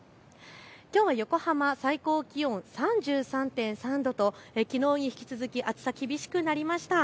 きょう横浜、最高気温３３．３度と、きのうに引き続き暑さ厳しくなりました。